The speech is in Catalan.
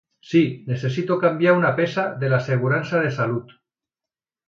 Sí, necessito canviar una peça de l'assegurança de salut.